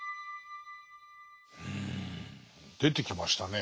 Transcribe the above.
うん出てきましたね。